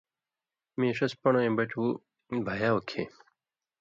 مِیں ݜس پن٘ڑہۡ وَیں بٹُو بھیاؤ کھیں